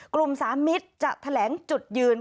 สามมิตรจะแถลงจุดยืน